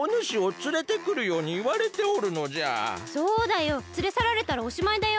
つれさられたらおしまいだよ？